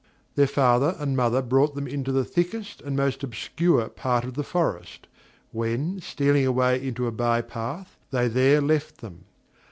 Their father and mother brought them into the thickest and most obscure part of the forest; when, stealing away into a by path, they there left them.